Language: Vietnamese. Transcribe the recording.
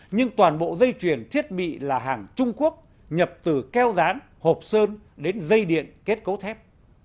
nhưng toàn bộ dây chuyển thiết bị là hàng trung quốc nhập từ keo rán hộp sơn đến dây điện kết cấu thép